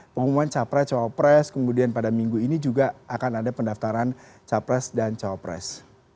pengumuman capres cawapres kemudian pada minggu ini juga akan ada pendaftaran capres dan cawapres